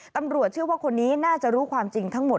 ตำรวจเชื่อว่าคนนี้น่าจะรู้ความจริงทั้งหมด